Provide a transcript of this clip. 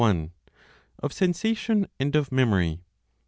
Of Sensation, and of Memory.